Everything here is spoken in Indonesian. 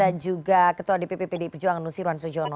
dan juga ketua dpp pdi perjuangan nusir wanfik